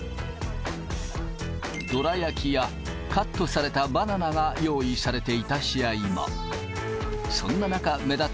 どら焼きやカットされたバナナが用意されていた試合も。